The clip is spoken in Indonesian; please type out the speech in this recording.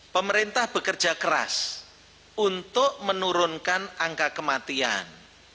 pemerintah bekerja keras untuk menurunkan angka kematian